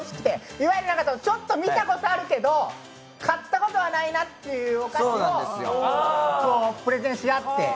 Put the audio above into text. いわゆる、ちょっと見たことあるけど買ったことはないなっていうお菓子をプレゼンし合って。